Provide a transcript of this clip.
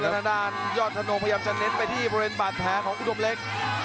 ทางด้านยอดธนงพยายามจะเน้นไปที่บริเวณบาดแผลของอุดมเล็ก